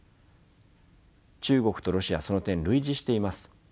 中国とロシアその点類似しています。